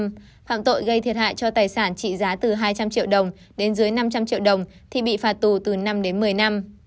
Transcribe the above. phạm tội gây thiệt hại cho tài sản trị giá từ hai trăm linh triệu đồng đến dưới năm trăm linh triệu đồng thì bị phạt tù từ năm đến một mươi năm